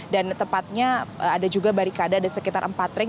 dan tepatnya ada juga barikada ada sekitar empat ring